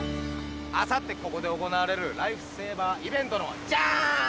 あさってここで行われるライフセーバーイベントのジャーン！